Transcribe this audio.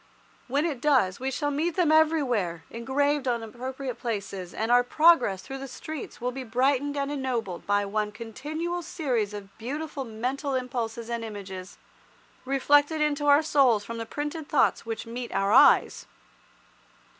When it does we shall meet them everywhere engraved on appropriate places, and our progress through the streets will be brightened and ennobled by one continual series of beautiful mental impulses and images, reflected into our souls from the printed thoughts which meet our eyes.